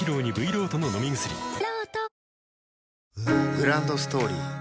グランドストーリー